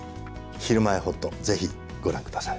「ひるまえほっと」ぜひ、ご覧ください。